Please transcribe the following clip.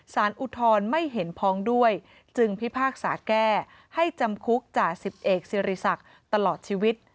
อุทธรณ์ไม่เห็นพ้องด้วยจึงพิพากษาแก้ให้จำคุกจ่าสิบเอกสิริศักดิ์ตลอดชีวิต